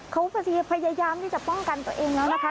เขาพยายามที่จะป้องกันตัวเองแล้วนะคะ